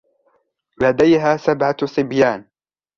لديها سبعة صبيان.